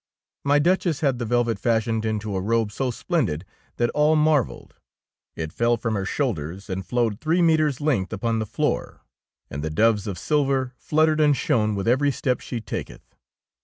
My Duchess had the velvet fashioned into a robe so splendid that all mar velled. It fell from her shoulders and flowed three metres' length upon the 47 DEEDS OF DARING floor, and the doves of silver fluttered and shone with every step she taketh.